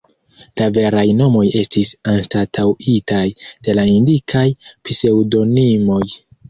La veraj nomoj estis anstataŭitaj de la indikitaj pseŭdonimoj.